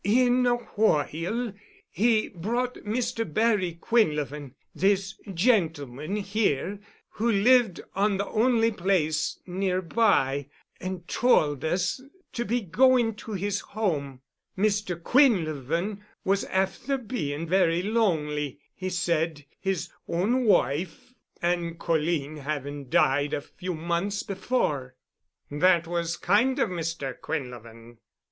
"In a whoile he brought Mr. Barry Quinlevin—this gentleman here—who lived on the only place nearby, and tould us to be going to his home. Mr. Quinlevin was afther bein' very lonely, he said, his own wife and colleen havin' died a few months before." "That was kind of Mr. Quinlevin."